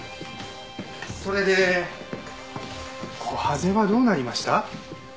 それでコハゼはどうなりました？